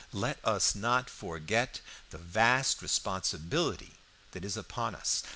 Let us not forget the vast responsibility that is upon us.